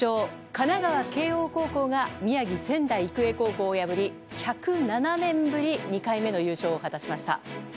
神奈川・慶應高校が宮城・仙台育英高校を破り１０７年ぶり２回目の優勝を果たしました。